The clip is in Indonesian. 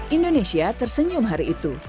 indonesia tersenyum hari itu